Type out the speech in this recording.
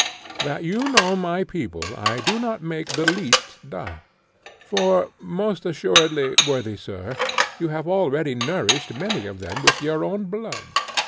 That you know my people I do not make the least doubt; for, most assuredly, worthy sir, you have already nourished many of them with your own blood.